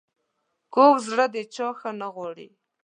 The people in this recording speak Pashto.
کوږ زړه د چا ښه نه غواړي